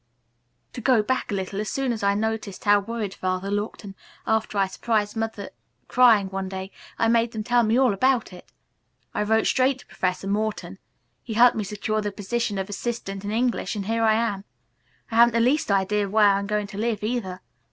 "To go back a little, as soon as I noticed how worried Father looked, and after I surprised Mother crying one day, I made them tell me all about it. I wrote straight to Professor Morton. He helped me secure the position of assistant in English, and here I am. I haven't the least idea where I'm going to live either.